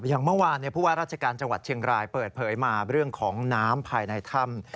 อย่างเมื่อวานผู้ว่าราชการจังหวัดเชียงรายเปิดเผยมาเรื่องของน้ำภายในถ้ำ